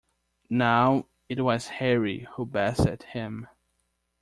Now it was Harry who beset him.